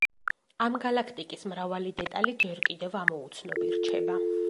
ამ გალაქტიკის მრავალი დეტალი ჯერ კიდევ ამოუცნობი რჩება.